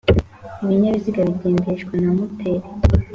ibinyabiziga bigendeshwa na moteri